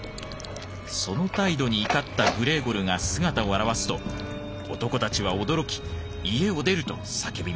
その態度に怒ったグレーゴルが姿を現すと男たちは驚き「家を出る！」と叫びました。